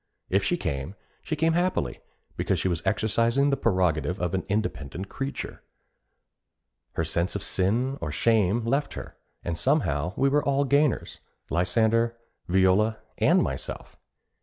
If she came, she came happily, because she was exercising the prerogative of an independent creature. Her sense of sin or shame left her; and somehow we were all gainers, Lysander, Viola, and myself.